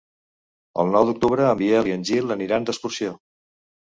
El nou d'octubre en Biel i en Gil aniran d'excursió.